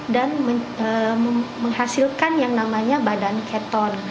dan menghasilkan yang namanya badan keton